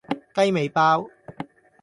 雞尾包